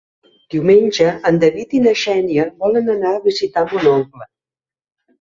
Diumenge en David i na Xènia volen anar a visitar mon oncle.